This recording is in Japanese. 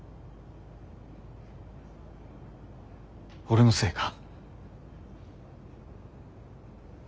俺のせいか？